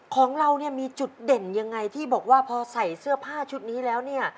ของเราเนี่ยมีจุดเด่นยังไงที่บอกว่าพอใส่เสื้อผ้าชุดนี้แล้วเนี่ย